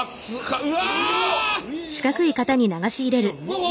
うわ。